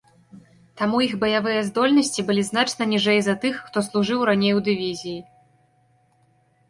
Таму іх баявыя здольнасці былі значна ніжэй за тых, хто служыў раней у дывізіі.